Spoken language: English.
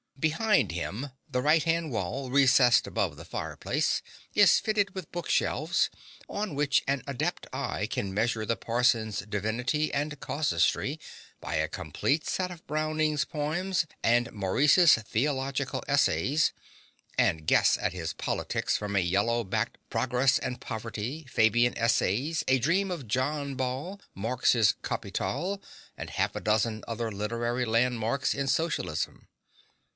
Behind him the right hand wall, recessed above the fireplace, is fitted with bookshelves, on which an adept eye can measure the parson's divinity and casuistry by a complete set of Browning's poems and Maurice's Theological Essays, and guess at his politics from a yellow backed Progress and Poverty, Fabian Essays, a Dream of John Ball, Marx's Capital, and half a dozen other literary landmarks in Socialism.